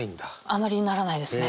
あまりならないですね。